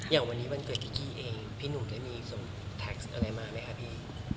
อย่างวันนี้วันเกิดนิกกี้เองพี่หนุ่มได้มีส่งแท็กอะไรมาไหมคะพี่